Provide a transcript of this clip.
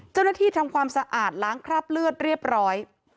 ทำความสะอาดล้างคราบเลือดเรียบร้อย